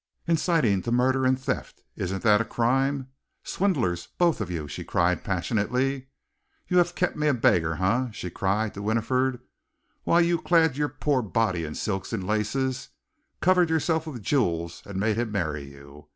Inciting to murder and theft! Isn't that a crime? Swindlers, both of you!" she cried passionately. "You'd have kept me a beggar, eh," she cried to Winifred, "while you clad your poor body in silks and laces, covered yourself with jewels and made him marry you?